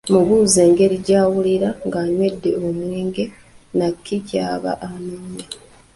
Mubuuze engeri gy’awulira ng’anywedde omwenge, na kiki ky’aba anoonya.